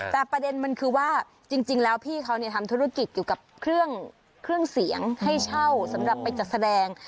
แต่ประเด็นมันคือว่าจริงแล้วพี่เขาทำธุรกิจเกี่ยวกับเครื่องเสียงให้เช่าสำหรับไปจัดแสดง